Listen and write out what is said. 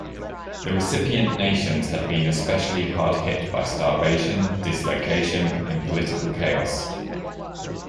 The recipient nations had been especially hard hit by starvation, dislocation, and political chaos.